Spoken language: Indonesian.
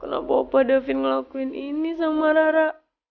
kenapa davin ngelakuin ini sama rara